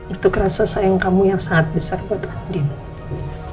itu kerasa sayang kamu yang sangat besar buat dino